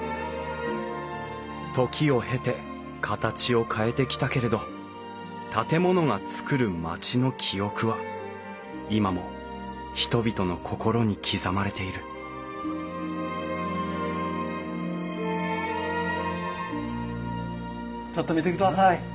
時を経て形を変えてきたけれど建物が作る街の記憶は今も人々の心に刻まれているちょっと見てください。